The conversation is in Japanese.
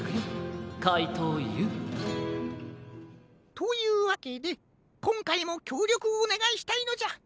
というわけでこんかいもきょうりょくをおねがいしたいのじゃ。